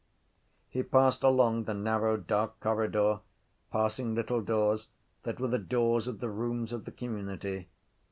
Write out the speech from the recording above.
He passed along the narrow dark corridor, passing little doors that were the doors of the rooms of the community.